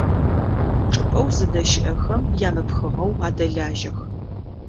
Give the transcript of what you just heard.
Чӏыпӏэу зыдэщыӏэхэм ямыпхыгъэу адэлажьэх.